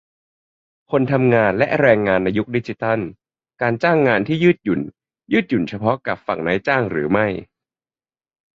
คนทำงานและแรงงานในยุคดิจิทัล - การจ้างงานที่ยืดหยุ่น ยืดหยุ่นเฉพาะกับฝั่งนายจ้างหรือไม่ ?